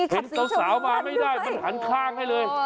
เห็นสาวมาไม่ได้มันหันข้างให้เลย